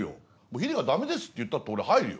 ヒデが「ダメです」って言ったって俺入るよ。